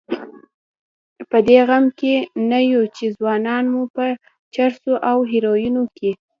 په دې غم کې نه یو چې ځوانان مو په چرسو او هیرویینو کې.